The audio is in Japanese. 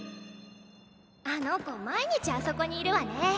あの子毎日あそこにいるわね。